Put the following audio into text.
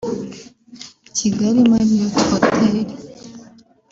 Kigali Marriot Hotel